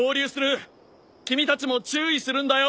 君たちも注意するんだよ。